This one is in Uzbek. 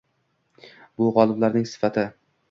Bu g‘oliblarning sifati.